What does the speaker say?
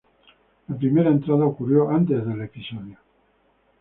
La primera entrada ocurrió antes del episodio.